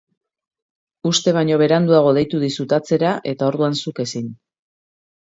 Uste baino beranduago deitu dizut atzera eta orduan zuk ezin.